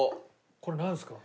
これなんですか？